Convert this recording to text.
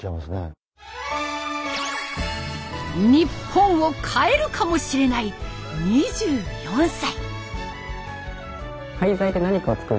日本を変えるかもしれない２４歳。